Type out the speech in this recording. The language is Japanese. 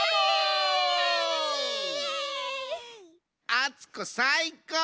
あつこさいこう！